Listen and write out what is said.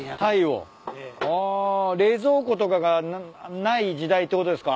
あ冷蔵庫とかがない時代ってことですか？